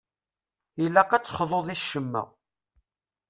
Ilaq ad texḍuḍ i ccemma.